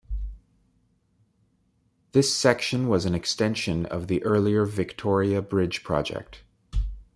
This section was an extension of the earlier Victoria Bridge project.